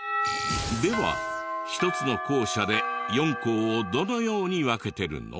では１つの校舎で４校をどのように分けてるの？